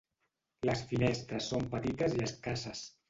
Les finestres són petites i escasses.